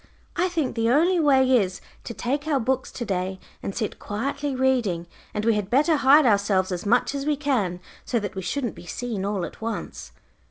I think the only way is to take our books to day and sit quietly reading; and we had better hide ourselves as much as we can, so that we shouldn't be seen all at once."